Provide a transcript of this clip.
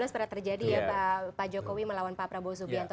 dua ribu empat belas pernah terjadi ya pak jokowi melawan pak prabowo subianto